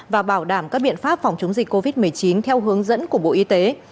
và bảo đảm các biện pháp phòng chống dịch covid một mươi chín theo hướng dẫn của bộ y tế